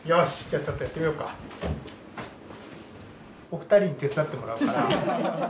お二人に手伝ってもらうから。